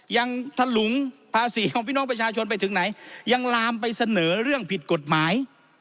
ทะลุงภาษีของพี่น้องประชาชนไปถึงไหนยังลามไปเสนอเรื่องผิดกฎหมาย